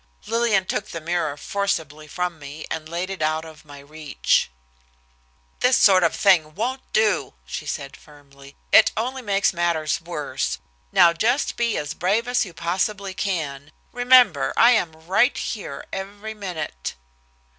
Lillian took the mirror forcibly from me, and laid it out of my reach. "This sort of thing won't do," she said firmly. "It only makes matters worse. Now just be as brave as you possibly can. Remember, I am right here every minute."